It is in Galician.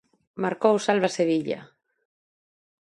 Marcou Salva Sevilla.